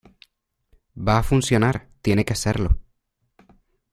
va a funcionar. tiene que hacerlo .